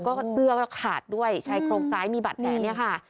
เครือก็ขาดด้วยใช้โครงซ้ายมีบัตรแหละเนี่ยค่ะ